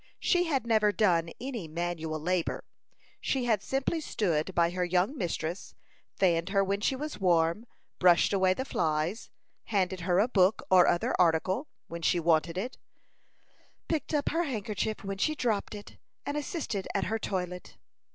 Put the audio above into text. She had never done any manual labor. She had simply stood by her young mistress, fanned her when she was warm, brushed away the flies, handed her a book, or other article, when she wanted it, picked up her handkerchief when she dropped it, and assisted at her toilet.